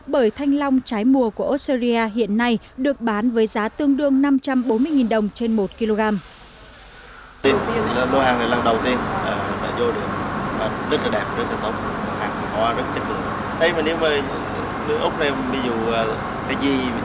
bởi thanh long trái mùa của australia hiện nay được bán với giá tương đương năm trăm bốn mươi đồng trên một kg